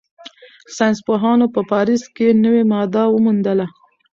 ساینسپوهانو په پاریس کې نوې ماده وموندله.